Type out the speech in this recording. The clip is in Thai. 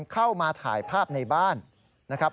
เข้ามาถ่ายภาพในบ้านนะครับ